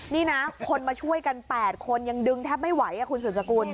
นี่นะคนมาช่วยกัน๘คนยังดึงแทบไม่ไหวคุณสุดสกุล